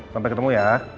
sampai ketemu ya